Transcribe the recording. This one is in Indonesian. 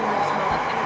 kembali ke mgp